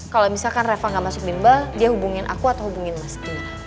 kalau misalkan reva gak masuk bimbal dia hubungin aku atau hubungin mas gila